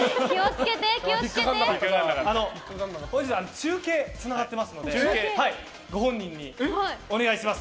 中継がつながってますのでご本人にお願いします。